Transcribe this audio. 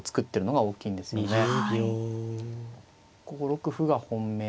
５六歩が本命。